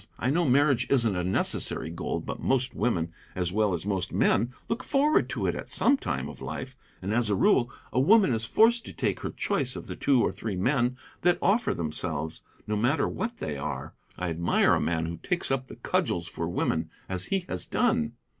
I know marriage isn't a necessary goal, but most women, as well as most men, look forward to it at some time of life, and, as a rule, a woman is forced to take her choice of the two or three men that offer themselves, no matter what they are. I admire a man who takes up the cudgels for women, as he has done."